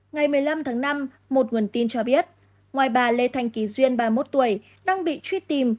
ngày một mươi năm tháng năm một nguồn tin cho biết ngoài bà lê thanh kỳ duyên ba mươi một tuổi đang bị truy tìm